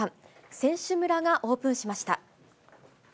選手村がオープンしました。